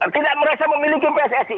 tidak merasa memiliki pssi